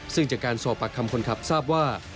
ซึ่งจากการสอบปากคำคนขับทราบว่า